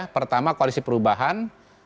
pertama koalisi perubahan